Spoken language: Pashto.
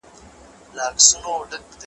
پرېماني د نعمتونو د ځنګله وه `